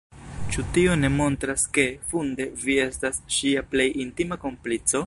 Ĉu tio ne montras ke, funde, vi estas ŝia plej intima komplico?